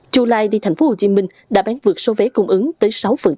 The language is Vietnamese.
chu lai đi tp hcm đã bán vượt số vé cung ứng tới sáu